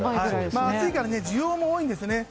暑いから需要も多いんですね。